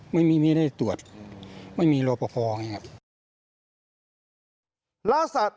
ไม่มีไม่ได้ตรวจไม่มีรอปภไงครับ